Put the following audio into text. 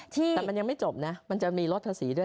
แต่มันยังไม่จบนะมันจะมีลดภาษีด้วย